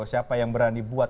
siapa yang berani buat